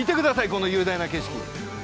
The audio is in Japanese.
この雄大な景色。